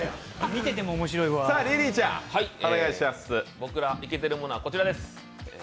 僕らイケてるものはこちらです